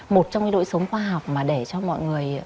một trong cái đội sống khoa học mà để cho mọi người